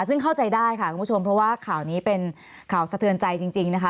ซึ่งเข้าใจได้ค่ะคุณผู้ชมเพราะว่าข่าวนี้เป็นข่าวสะเทือนใจจริงนะคะ